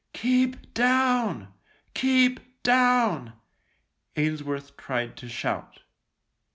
" Keep down, keep down !" Ainsworth tried to shout.